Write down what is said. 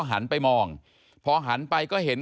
หันไปมองพอหันไปก็เห็น